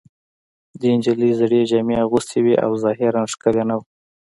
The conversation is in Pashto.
دې نجلۍ زړې جامې اغوستې وې او ظاهراً ښکلې نه وه